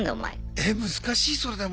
え難しいそれでも。